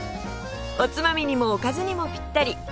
おつまみにもおかずにもピッタリ